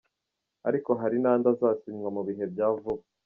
Ariko hari n’andi azasinywa mu bihe bya vuba.”